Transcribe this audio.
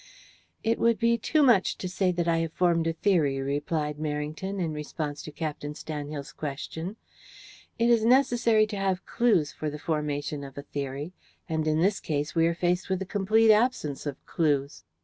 "It would be too much to say that I have formed a theory," replied Merrington, in response to Captain Stanhill's question. "It is necessary to have clues for the formation of a theory, and in this case we are faced with a complete absence of clues."